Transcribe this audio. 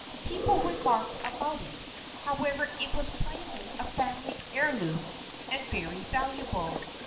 People remarked about it, however. It was plainly a family heirloom and very valuable.